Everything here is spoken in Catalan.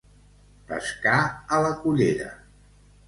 Pescar a la cullera.